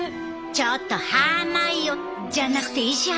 ちょっとハーマイオじゃなくて石原ちゃん！